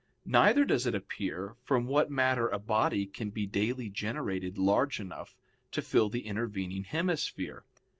Neither does it appear from what matter a body can be daily generated large enough to fill the intervening hemisphere.